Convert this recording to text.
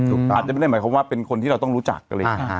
อืมอืมอาจจะไม่ได้หมายความว่าเป็นคนที่เราต้องรู้จักเลยอ่า